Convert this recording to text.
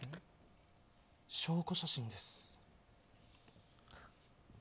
証拠写真です。